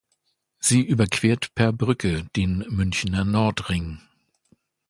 Sie überquert per Brücke den Münchner Nordring.